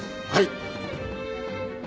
はい！